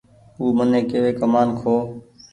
او مني ڪيوي ڪمآن کو